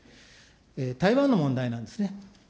台湾の問題なんですね。